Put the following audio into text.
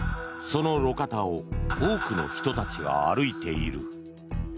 その路肩を多くの人たちが歩いている。